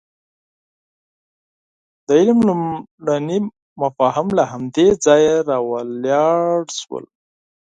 د علم لومړني مفاهیم له همدې ځایه راولاړ شول.